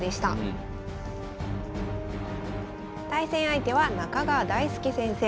対戦相手は中川大輔先生。